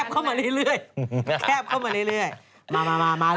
แคบเข้ามาเรื่อยมา